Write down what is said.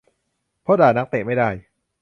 เพราะด่านักเตะไม่ได้